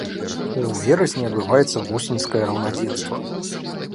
У верасні адбываецца восеньскае раўнадзенства.